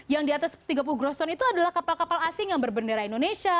yang di atas tiga puluh groston itu adalah kapal kapal asing yang berbendera indonesia